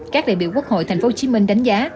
các đại biểu quốc hội tp hcm đánh giá